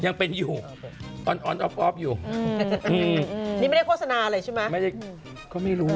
ยังเป็นอยู่ออนออพอปอยู่นี่ไม่ได้โฆษณาหรือเปล่าใช่มั้ยก็ไม่รู้อะ